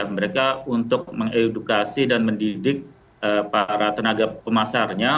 mereka untuk mengedukasi dan mendidik para tenaga pemasarnya